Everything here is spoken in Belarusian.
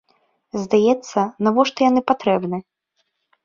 Здаецца, навошта яны патрэбны?